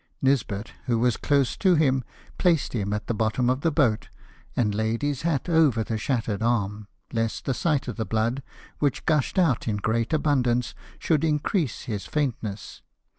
Nisbet, who was close to him, placed him at the bottom of the boat, and laid his hat over the shattered arm, lest the sight of the blood, which gushed out in great abundance, should increase his faintness.